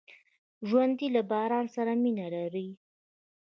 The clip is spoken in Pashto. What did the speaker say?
ژوندي له باران سره مینه لري